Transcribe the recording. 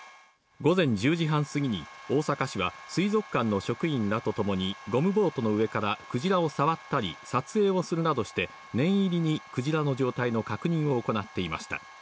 午前１０時半過ぎに大阪市は水族館の職員らとともにゴムボートの上からクジラを触ったり撮影をするなどして念入りにクジラの状態の確認を行っていました。